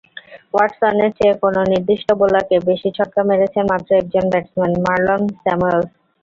ওয়াটসনের চেয়ে কোনো নির্দিষ্ট বোলারকে বেশি ছক্কা মেরেছেন মাত্র একজন ব্যাটসম্যান—মারলন স্যামুয়েলস।